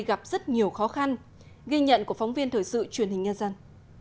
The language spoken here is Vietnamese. gặp rất nhiều khó khăn ghi nhận của phóng viên thời sự truyền hình nhân dân